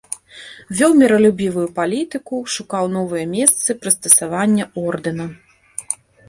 Вёў міралюбівую палітыку, шукаў новыя месцы прыстасавання ордэна.